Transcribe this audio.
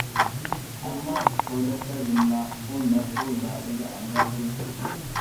ئەمما، تورداشلار يەنىلا ئۇ مەسئۇل دائىرىگە ئامراق بولۇپ چىقتى.